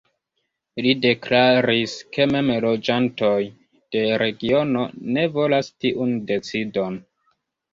Li deklaris ke mem loĝantoj de regiono ne volas tiun decidon.